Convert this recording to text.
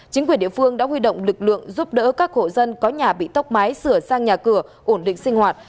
chính quyền địa phương đã huy động lực lượng giúp đỡ các hộ dân có nhà bị tốc mái sửa sang nhà cửa ổn định sinh hoạt